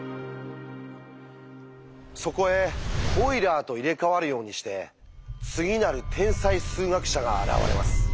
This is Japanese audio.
そこへオイラーと入れ代わるようにして次なる天才数学者が現れます。